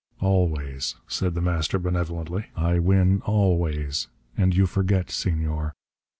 "Always," said The Master benevolently. "I win always. And you forget, Senor.